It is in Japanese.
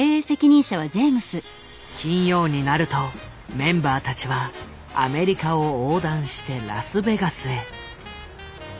金曜になるとメンバーたちはアメリカを横断してラスベガスへ。